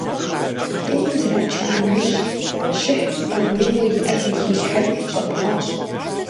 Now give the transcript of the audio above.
ТӀуми зрача нэужь, щыхьым къарууэ иӀэр зэхилъхьэри щӀэпхъуащ.